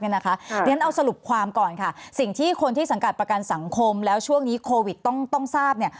เพราะฉะนั้นเอาสรุปความก่อนค่ะสิ่งที่คนที่สังกัดประกันสังคมแล้วช่วงนี้โควิดต้องทราบเนี่ย